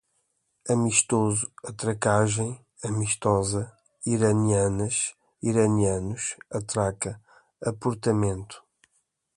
Amistoso, atracagem, amistosa, iranianas, iranianos, atraca, aportamento